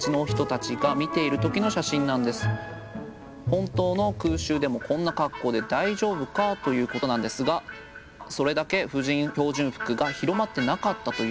本当の空襲でもこんな格好で大丈夫か？ということなんですがそれだけ婦人標準服が広まってなかったということなんですが。